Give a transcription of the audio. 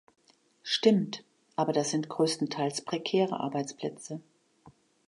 Stimmt, aber das sind größtenteils prekäre Arbeitsplätze.